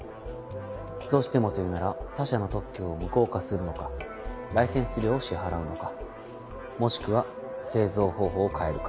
どうしてもというなら他社の特許を無効化するのかライセンス料を支払うのかもしくは製造方法を変えるか。